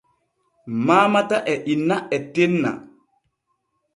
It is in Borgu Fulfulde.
Maamata e inna e tenna.